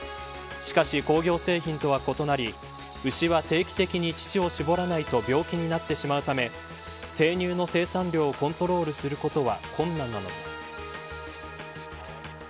しかし、工業製品とは異なり牛は定期的に乳を搾らないと病気になってしまうため生乳の生産量をコントロールすることは困難なのです。